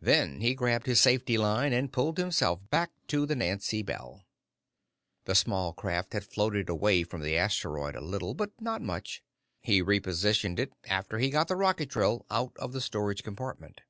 Then he grabbed his safety line, and pulled himself back to the Nancy Bell. The small craft had floated away from the asteroid a little, but not much. He repositioned it after he got the rocket drill out of the storage compartment.